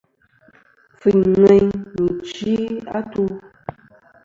Kfɨyn ŋweyn nɨ̀ ɨchɨ-atu.